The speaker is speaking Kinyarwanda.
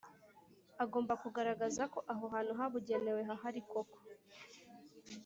agomba kugaragaza ko aho hantu habugenewe hahari koko